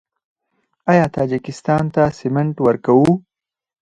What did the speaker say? آیا تاجکستان ته سمنټ ورکوو؟